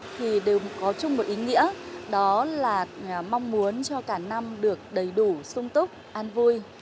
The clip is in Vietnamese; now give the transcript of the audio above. thì đều có chung một ý nghĩa đó là mong muốn cho cả năm được đầy đủ sung túc an vui